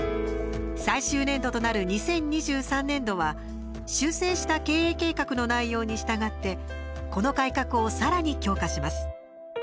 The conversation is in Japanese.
最終年度となる２０２３年度は修正した経営計画の内容に従ってこの改革を、さらに強化します。